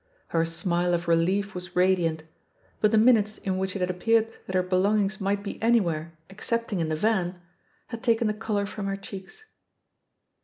Her smile of relief was radiant, but the minutes in which it had appeared that her belongings might be anywhere excepting in the van had taken the colour from her cheeks.